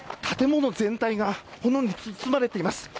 建物全体が炎に包まれています。